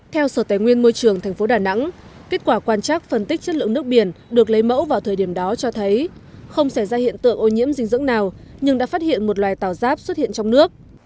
theo sở tài nguyên môi trường tp đà nẵng kết quả quan trắc phân tích chất lượng nước biển được lấy mẫu vào thời điểm đó cho thấy không xảy ra hiện tượng ô nhiễm dinh dưỡng nào nhưng đã phát hiện một loài tàu giáp xuất hiện trong nước